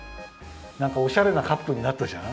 なんかおしゃれなカップになったじゃん？